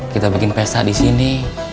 kita bikin pesta di sini